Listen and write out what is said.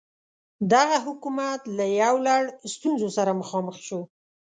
دغه حکومت له یو لړ ستونزو سره مخامخ شو.